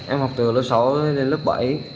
em học từ lớp sáu đến lớp bảy